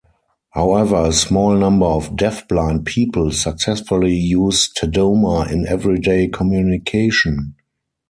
However, a small number of deafblind people successfully use Tadoma in everyday communication.